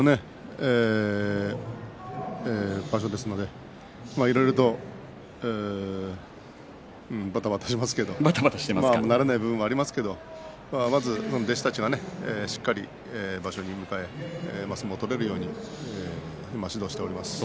初めての場所ですのでいろいろとばたばたしますけれども慣れない部分もありますけれどまず弟子たちがしっかり場所に向かって相撲を取れるように指導をしております。